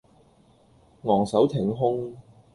昂首挺胸